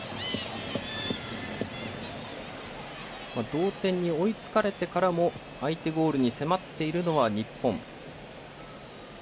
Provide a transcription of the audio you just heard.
同点に追いつかれてからも相手ゴールに迫っているのは日本。